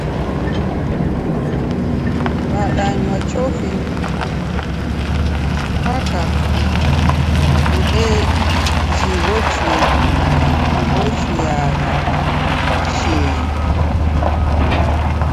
Wadanywa chofi paka udejighoyagha chienyi.